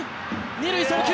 二塁送球！